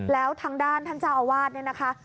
แล้วทางด้านท่านเจ้าอาวาส